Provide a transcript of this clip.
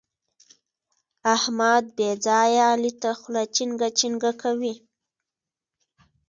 احمد بې ځايه علي ته خوله چينګه چینګه کوي.